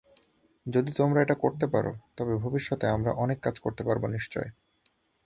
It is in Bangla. যদি তোমরা এটা করতে পার, তবে ভবিষ্যতে আমরা অনেক কাজ করতে পারব নিশ্চয়।